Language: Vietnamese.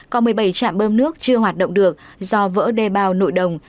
có một mươi bảy trạm bơm nước chưa hoạt động được do vỡ đề bao nội đồng